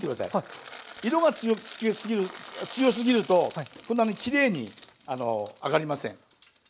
色が強すぎるとこんなにきれいに揚がりません。